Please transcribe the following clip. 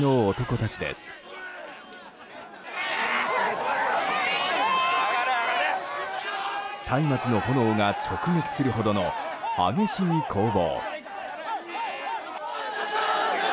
たいまつの炎が直撃するほどの激しい攻防。